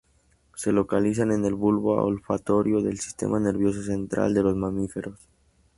Se localizan en el bulbo olfatorio del sistema nervioso central de los mamíferos.